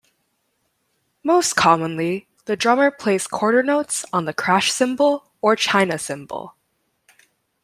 Most commonly, the drummer plays quarter notes on the crash cymbal or china cymbal.